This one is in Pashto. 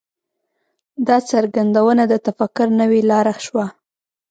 دا څرګندونه د تفکر نوې لاره شوه.